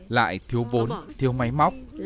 lại thiếu vốn thiếu máy móc